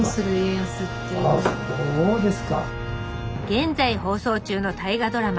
現在放送中の大河ドラマ